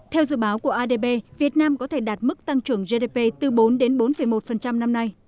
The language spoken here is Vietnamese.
theo dự báo của adb việt nam có thể đạt mức tăng trưởng gdp từ bốn đến bốn một năm nay